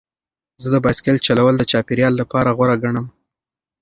زه د بایسکل چلول د چاپیریال لپاره غوره ګڼم.